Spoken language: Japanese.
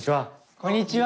こんにちは！